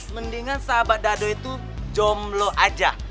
mendingan sahabat dado itu jomblo aja